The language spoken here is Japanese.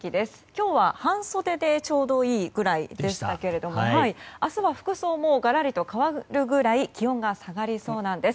今日は半袖でちょうどいいぐらいでしたけれども明日は服装もがらりと変わるぐらい気温が下がりそうなんです。